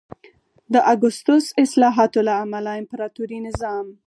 د اګوستوس اصلاحاتو له امله امپراتوري نظام